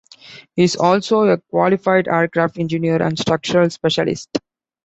He is also a qualified aircraft engineer and structural specialist.